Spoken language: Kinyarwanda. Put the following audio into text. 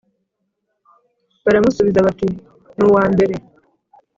Baramusubiza bati “Ni uwa mbere.”